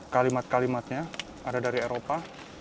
kalimat kalimatnya ada dari eropa